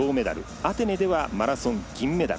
アテネではマラソン銀メダル。